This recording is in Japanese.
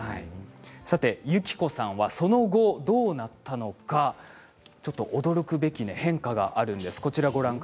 ゆきこさんがその後どうなったのか驚くべき変化があるんです。